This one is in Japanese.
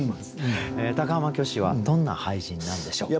高浜虚子はどんな俳人なんでしょう？